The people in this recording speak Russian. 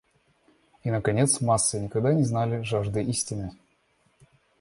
И наконец: массы никогда не знали жажды истины.